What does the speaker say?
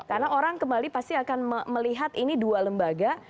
karena orang kembali pasti akan melihat ini dua lembaga